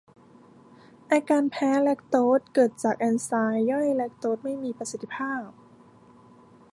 อาการแพ้แลคโทสเกิดจากเอนไซม์ย่อยแลคโทสไม่มีประสิทธิภาพ